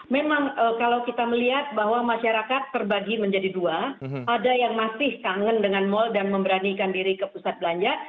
memang kalau kita melihat bahwa masyarakat terbagi menjadi dua ada yang masih kangen dengan mal dan memberanikan diri ke pusat belanja